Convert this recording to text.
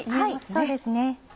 そうですね。